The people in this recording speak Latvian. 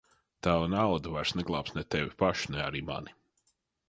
Tava nauda vairs neglābs ne tevi pašu, ne arī mani!